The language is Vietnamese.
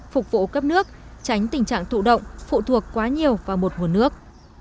phục vụ cấp nước tránh tình trạng thụ động phụ thuộc quá nhiều vào một nguồn nước